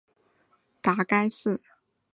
拉贡公路可以直达该寺。